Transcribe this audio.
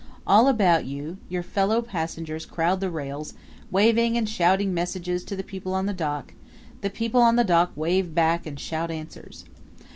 All about you your fellow passengers crowd the rails, waving and shouting messages to the people on the dock; the people on the dock wave back and shout answers.